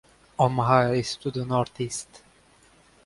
Omaha is to the northeast.